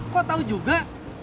kok tau juga